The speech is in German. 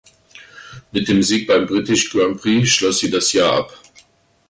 Mit dem Sieg beim "British Grand Prix" schloss sie das Jahr ab.